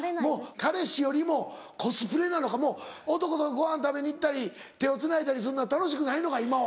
彼氏よりもコスプレなのかもう男とごはん食べに行ったり手をつないだりすんのは楽しくないのか今は。